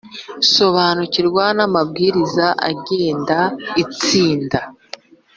sobanukirwa namabwiriza agenda itsinda